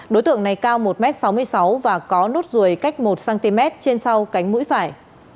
đối tượng này cao một m sáu mươi sáu và có nốt ruồi cách một cm trên sau cánh mũi phải